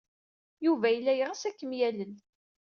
Yuba yella yeɣs ad kem-yalel.